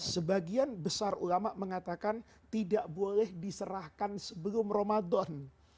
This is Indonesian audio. sebagian besar ulama mengatakan tidak boleh diserahkan sebelum ramadan